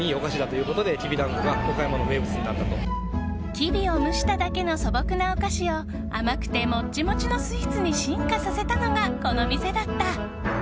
キビを蒸しただけの素朴なお菓子を甘くてモッチモチのスイーツに進化させたのがこの店だった。